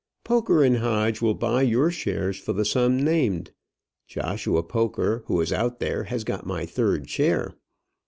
Poker & Hodge will buy your shares for the sum named. Joshua Poker, who is out there, has got my third share.